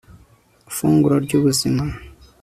funguro ry'ubuzima